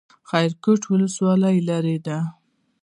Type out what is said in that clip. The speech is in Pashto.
خیرکوټ ولسوالۍ لیرې ده؟